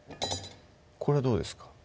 これはどうですか？